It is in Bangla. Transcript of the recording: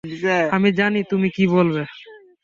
আমি জানি তুমি কি বলবে।